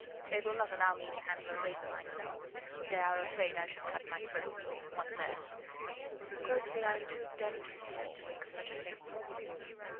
They will not allow me to handle a razor my self. They are afraid I should cut my throat or one of theirs. But mostly I am too d d sleepy to think of such a thing."